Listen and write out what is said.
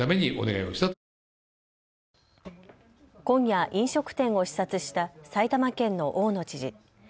今夜、飲食店を視察した埼玉県の大野知事。